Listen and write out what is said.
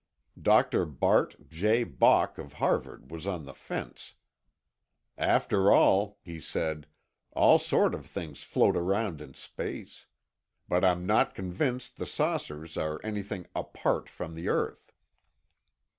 Dr. Bart J. Bok of Harvard was on the fence: "After all," he said, "all sort of things float around in space. But I'm not convinced the saucers are anything apart from the earth."